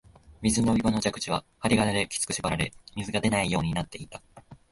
水飲み場の蛇口は針金できつく縛られ、水が出ないようになっていた